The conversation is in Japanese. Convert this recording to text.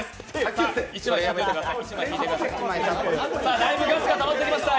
だいぶガスがたまってきました、